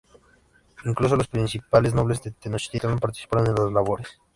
Incluso los principales nobles de Tenochtitlán participaron en las labores.